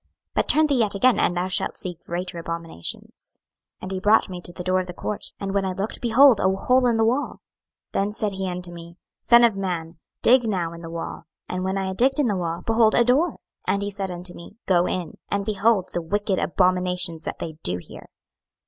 but turn thee yet again, and thou shalt see greater abominations. 26:008:007 And he brought me to the door of the court; and when I looked, behold a hole in the wall. 26:008:008 Then said he unto me, Son of man, dig now in the wall: and when I had digged in the wall, behold a door. 26:008:009 And he said unto me, Go in, and behold the wicked abominations that they do here.